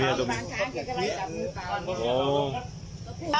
สวัสดีครับคุณแฟม